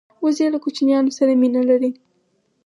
وزې له کوچنیانو سره مینه لري